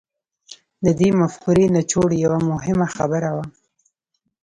د دې مفکورې نچوړ يوه مهمه خبره وه.